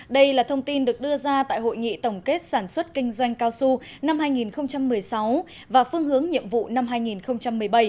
đây là thông tin được đưa ra tại hội nghị tổng kết sản xuất kinh doanh cao su năm hai nghìn một mươi sáu và phương hướng nhiệm vụ năm hai nghìn một mươi bảy